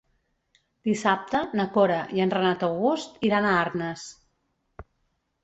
Dissabte na Cora i en Renat August iran a Arnes.